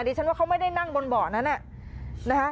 ดิฉันว่าเขาไม่ได้นั่งบนเบาะนั้นนะคะ